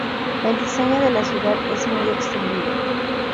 El diseño de la ciudad es muy extendido.